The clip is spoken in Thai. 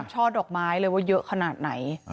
ช่อดอกไม้เลยว่าเยอะขนาดไหน